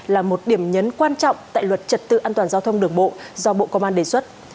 là một điểm nhấn quan trọng tại luật trật tự an toàn giao thông đường bộ do bộ công an đề xuất